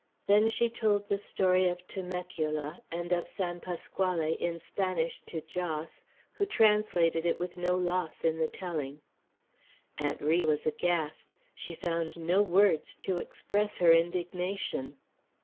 Then she told the story of Temecula, and of San Pasquale, in Spanish, to Jos, who translated it with no loss in the telling. Aunt Ri was aghast; she found no words to express her indignation.